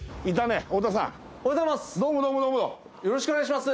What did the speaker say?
おはようございます